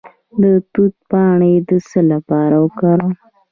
د توت پاڼې د څه لپاره وکاروم؟